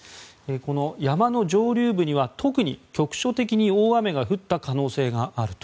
この山の上流部には特に局所的に大雨が降った可能性があると。